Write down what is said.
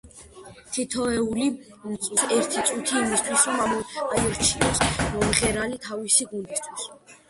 თითოეულ მწვრთნელს აქვს ერთი წუთი, იმისთვის, რომ აირჩიოს მომღერალი თავისი გუნდისთვის.